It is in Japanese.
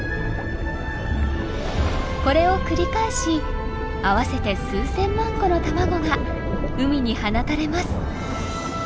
これを繰り返し合わせて数千万個の卵が海に放たれます。